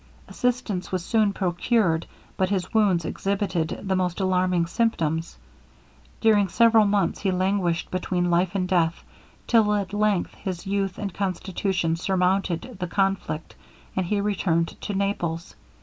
Assistance was soon procured, but his wounds exhibited the most alarming symptoms. During several months he languished between life and death, till at length his youth and constitution surmounted the conflict, and he returned to Naples.